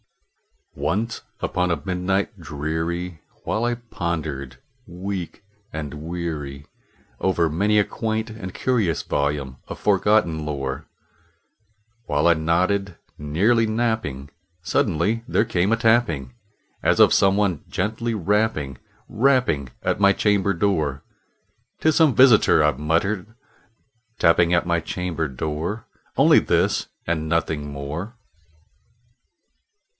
Once upon a midnight dreary, while I pondered, weak and weary, Over many a quaint and curious volume of forgotten lore While I nodded, nearly napping, suddenly there came a tapping, As of some one gently rapping rapping at my chamber door. "'Tis some visitor," I muttered, "tapping at my chamber door Only this and nothing more."